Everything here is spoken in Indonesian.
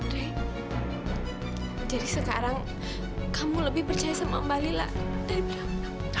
dewi jadi sekarang kamu lebih percaya sama mbak lila daripada aku